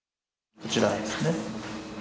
こちらですね。